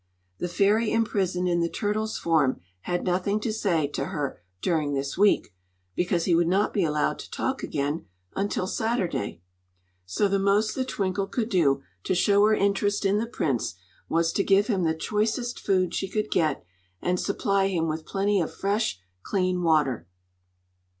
The fairy imprisoned in the turtle's form had nothing to say to her during this week, because he would not be allowed to talk again until Saturday; so the most that Twinkle could do to show her interest in the Prince was to give him the choicest food she could get and supply him with plenty of fresh, clean water.